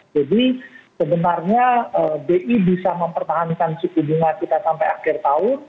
jadi sebenarnya bi bisa mempertahankan cukup bunga kita sampai akhir tahun